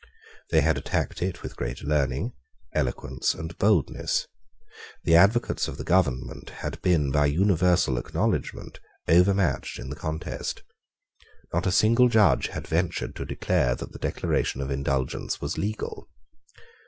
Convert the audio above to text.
They had attacked it with great learning, eloquence, and boldness. The advocates of the government had been by universal acknowledgment overmatched in the contest. Not a single judge had ventured to declare that the Declaration of Indulgence was legal.